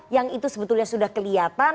yang itu sebetulnya sudah kelihatan